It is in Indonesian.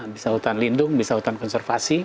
bisa hutan lindung bisa hutan konservasi